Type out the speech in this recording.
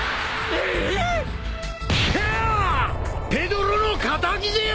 ペドロの敵ぜよ！！